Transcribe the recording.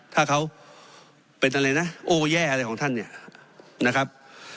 ถ้าเขาเป็นอะไรนะโอ้แย่อะไรของท่านเนี่ยนะครับ